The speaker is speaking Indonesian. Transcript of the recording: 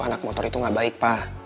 anak motor itu gak baik pak